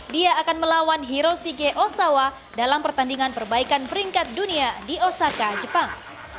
dia akan melawan hiroshige osawa dalam pertandingan perbaikan peringkat dunia di osaka jepang